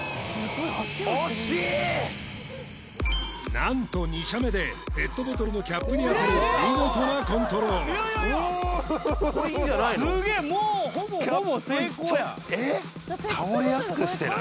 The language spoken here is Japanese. なんと２射目でペットボトルのキャップに当てる見事なコントロールうーわキャップちょっえっ？